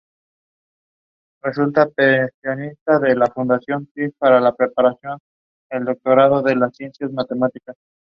Los eruditos creen que un redactor desconocido compuso en lengua griega el proto-evangelio.